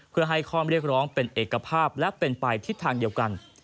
เพื่อให้ข้อเรียกร้องเป็นเอกภาพและเป็นไปทิศทางเดียวกัน